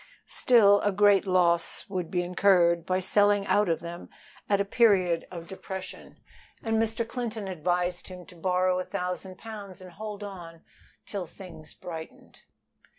Still a great loss would be incurred by selling out of them at a period of depression, and Mr. Clinton advised him to borrow a thousand pounds and hold on till things brightened.